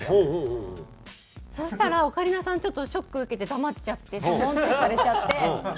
そしたらオカリナさんちょっとショック受けて黙っちゃってしょぼんってされちゃって。